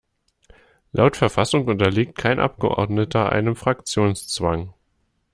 Laut Verfassung unterliegt kein Abgeordneter einem Fraktionszwang.